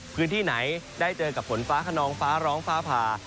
พื้นที่ไหนได้เจอกับฝนฟ้าขนองฟ้าร้องฟ้าผ่า